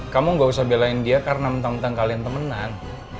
kamu gak usah belain dia karena mentang mentang kalian temenan